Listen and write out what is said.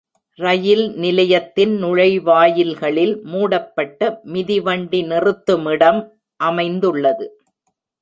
ரயில் நிலையத்தின் நுழைவாயில்களில் மூடப்பட்ட மிதிவண்டி நிறுத்துமிடம் அமைந்துள்ளது.